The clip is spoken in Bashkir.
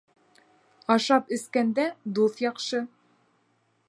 Ашап-эскәндә дуҫ яҡшы.